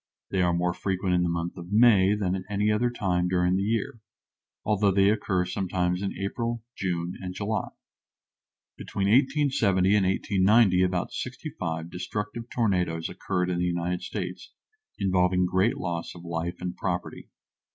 They are more frequent in the month of May than at any other time during the year, although they occur sometimes in April, June, and July. Between 1870 and 1890 about sixty five destructive tornadoes occurred in the United States, involving great loss of life and property.